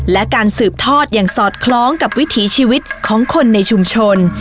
และการสืบทอดอย่างสอดคล้องกับวิถีชีวิตของคนในชุมชน